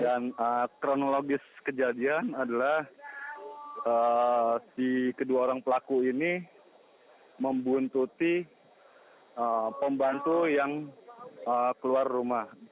dan kronologis kejadian adalah si kedua orang pelaku ini membuntuti pembantu yang keluar rumah